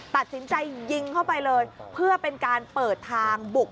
ตัดสินใจยิงเข้าไปเลยเพื่อเป็นการเปิดทางบุก